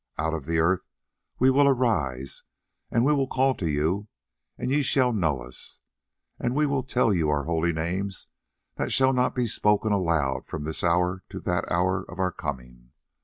Out of the earth will we arise, and we will call to you and ye shall know us, and we will tell you our holy names that shall not be spoken aloud from this hour to that hour of our coming.